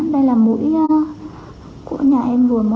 đây là mũi của nhà em vừa mới